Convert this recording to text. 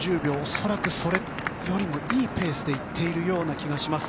恐らくそれよりもいいペースで行っている気がします。